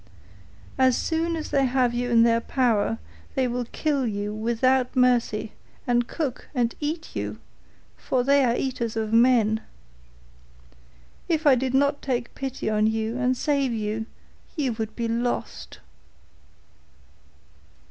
As soon as they have you in their power they will kill you without mercy, and cook and eat you, for they are eaters of men. If I did not take pity on you and save you, you would be lost.